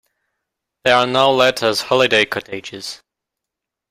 They are now let as holiday cottages.